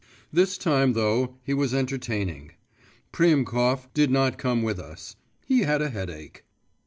This time, though, he was entertaining. Priemkov did not come with us; he had a headache.